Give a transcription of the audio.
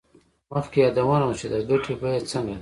مخکې یادونه وشوه چې د ګټې بیه څنګه ده